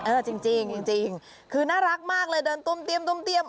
เออจริงจริงคือน่ารักมากเลยเดินต้มเตียมต้มเตียม